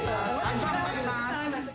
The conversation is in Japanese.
頑張ります。